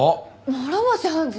諸星判事。